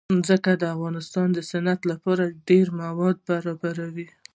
ځمکه د افغانستان د صنعت لپاره ډېر مواد برابروي.